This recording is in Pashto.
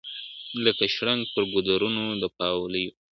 لکه شرنګ پر ګودرونو د پاولیو ..